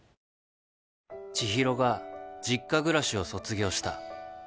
知博が実家暮らしを卒業した